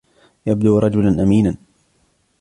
يبدو رجلا أمينا.